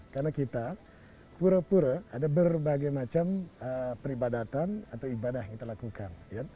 karena kita pura pura ada berbagai macam peribadatan atau ibadah yang kita lakukan